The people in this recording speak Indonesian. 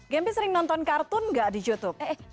gempy sering nonton kartun nggak di youtube